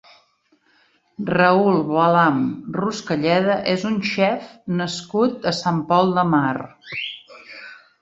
Raül Balam Ruscalleda és un xef nascut a Sant Pol de Mar.